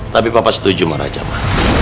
tapi papa setujuma raja ma